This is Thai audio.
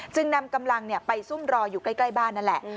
จึงนำกำลังไปซุ่มรออยู่ใกล้บ้านนั่นแหละ